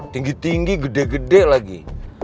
tinggi tinggi gede gede lagi